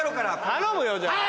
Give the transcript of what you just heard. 頼むよじゃあ。